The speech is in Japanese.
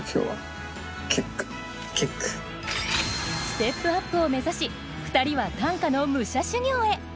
ステップアップを目指し２人は短歌の武者修行へ。